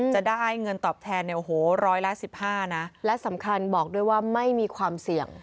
จะได้เงินตอบแทนเนี่ยโอ้โหร้อยละ๑๕นะและสำคัญบอกด้วยว่าไม่มีความเสี่ยง